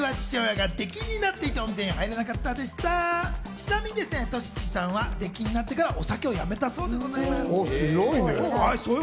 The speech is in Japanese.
ちなみにトシジさんは出禁になってからお酒をやめたそうでございます。